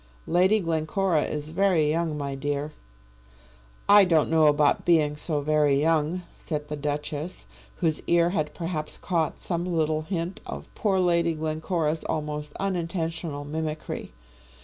"Lady Glencora is very young, my dear." "I don't know about being so very young," said the Duchess, whose ear had perhaps caught some little hint of poor Lady Glencora's almost unintentional mimicry.